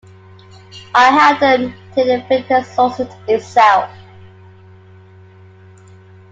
I held him till the fit exhausted itself.